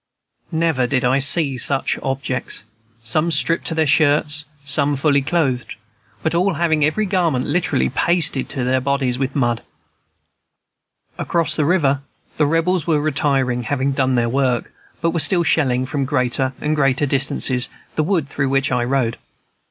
Never did I see such objects, some stripped to their shirts, some fully clothed, but all having every garment literally pasted to them bodies with mud. Across the river, the Rebels were retiring, having done their work, but were still shelling, from greater and greater distances, the wood through which I rode.